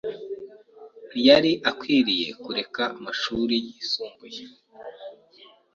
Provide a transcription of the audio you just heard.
ntiyari akwiye kureka amashuri yisumbuye.